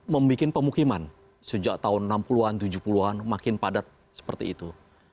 membuat pemukiman sejak tahun enam puluh an tujuh puluh an makin padat seperti itu